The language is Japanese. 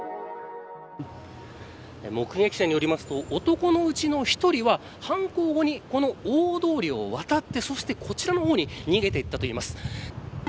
目撃者によりますと男のうちの１人は犯行後に、この大通りを渡ってそして、こちらの方に逃げていったといいます。